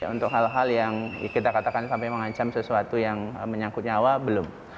untuk hal hal yang kita katakan sampai mengancam sesuatu yang menyangkut nyawa belum